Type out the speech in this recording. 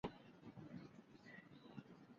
当年的冠军是梅艳芳。